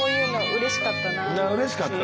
うれしかったなあ。